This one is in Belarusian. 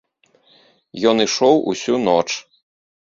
Ён ішоў усю ноч.